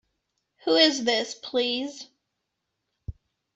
Who is this, please?